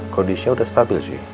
kondisinya udah stabil sih